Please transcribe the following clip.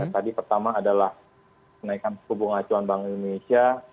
tadi pertama adalah naikkan hubungan acuan bank indonesia